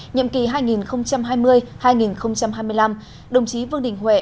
nhiệm kỳ hai nghìn hai mươi hai nghìn hai mươi năm đồng chí vương đình huệ